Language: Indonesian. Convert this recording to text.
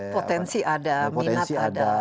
potensi ada minat ada